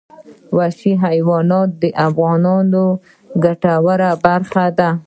وحشي حیوانات د افغانانو د ګټورتیا برخه ده.